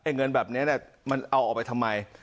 เงินแบบนี้มันเอาออกไปทำไม